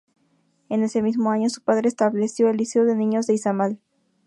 En ese mismo año su padre estableció el "Liceo de Niños de Izamal".